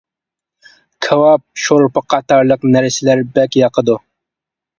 كاۋاپ، شورپا، قاتارلىق نەرسىلەر بەك ياقىدۇ.